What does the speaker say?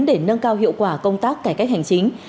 để nâng cao hiệu quả công tác cải cách hành chính